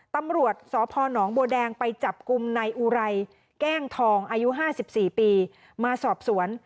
ตำรวจสพนบัวแดงไปจับกลุ่มนายอุไรแก้งทองอายุ๕๔ปีมาสอบสวน